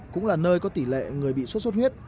cũng là nơi có tỷ lệ người bị suốt suốt huyết